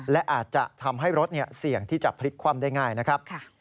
และอาจจะทำให้รถเสี่ยงที่จะพลิกคว่ำได้ง่ายนะครับ